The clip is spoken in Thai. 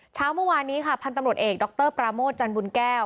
เช้าเมื่อวานนี้ค่ะพันธุ์ตำรวจเอกดรปราโมทจันบุญแก้ว